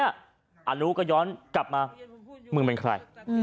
อนุก็ย้อนกลับมามึงเป็นใคร